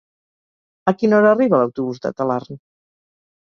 A quina hora arriba l'autobús de Talarn?